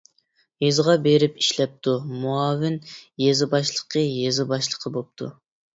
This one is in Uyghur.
يېزىغا بېرىپ ئىشلەپتۇ، مۇئاۋىن يېزا باشلىقى، يېزا باشلىقى بوپتۇ.